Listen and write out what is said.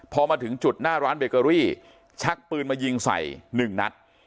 พอมาถึงจุดหน้าร้านเบเกอรี่ชักปืนมายิงใส่๑นัด